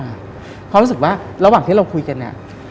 เพราะรู้สึกว่าระหว่างที่เราคุยกันเนี่ย